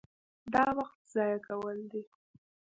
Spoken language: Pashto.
دا وخت ضایع کول دي.